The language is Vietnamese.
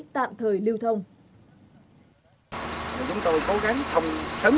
tạm thời lưu thông